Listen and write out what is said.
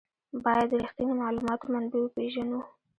باید د رښتیني معلوماتو منبع وپېژنو.